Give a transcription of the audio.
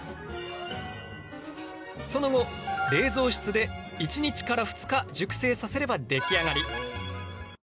その後冷蔵室で１日から２日熟成させれば出来上がり！